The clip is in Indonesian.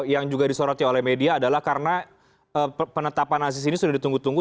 yang juga disoroti oleh media adalah karena penetapan asis ini sudah ditunggu tunggu